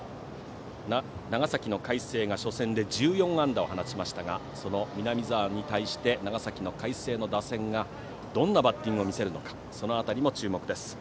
長崎の海星が初戦で１４安打を放ちましたがその南澤に対して長崎の海星の打線がどんなバッティングを見せるかその辺りも注目です。